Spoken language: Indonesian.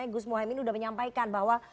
gus muhaymin sudah menyampaikan bahwa